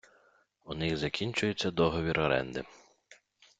У них закінчується договір оренди.